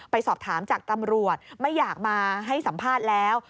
ไปสอบถามจากตำรวจไม่อยากมาให้สัมภาษณ์แล้ว